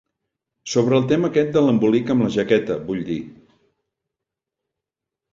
Sobre el tema aquest de l'embolic amb la jaqueta, vull dir.